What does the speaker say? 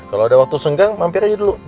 kalau ada waktu senggang mampir aja dulu